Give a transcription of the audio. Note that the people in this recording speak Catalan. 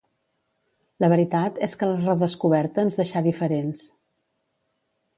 La veritat és que la redescoberta ens deixà diferents.